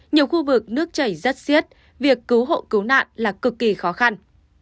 nhiều khu vực nước chảy rất siết việc cứu hộ cứu nạn là cực kỳ khó khăn